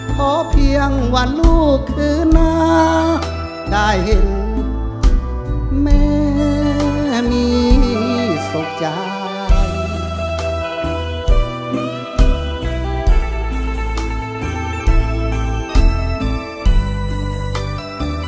ขอเพียงวันลูกคือน้าได้เห็นแม่มีสุขใจ